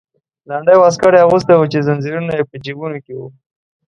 لنډی واسکټ یې اغوستی و چې زنځیرونه یې په جیبونو کې وو.